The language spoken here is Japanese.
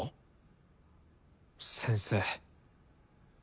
先生。